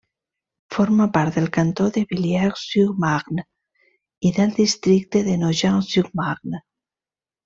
Forma part del cantó de Villiers-sur-Marne i del districte de Nogent-sur-Marne.